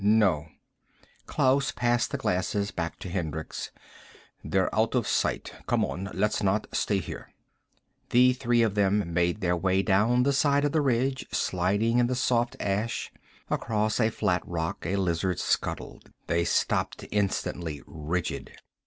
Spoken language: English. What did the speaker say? "No." Klaus passed the glasses back to Hendricks. "They're out of sight. Come on. Let's not stay here." The three of them made their way down the side of the ridge, sliding in the soft ash. Across a flat rock a lizard scuttled. They stopped instantly, rigid.